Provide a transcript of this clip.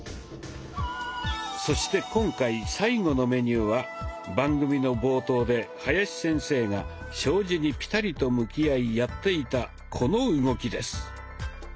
そして今回最後のメニューは番組の冒頭で林先生が障子にピタリと向き合いやっていたこの動きです。